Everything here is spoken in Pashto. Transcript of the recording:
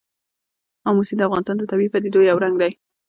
آمو سیند د افغانستان د طبیعي پدیدو یو رنګ دی.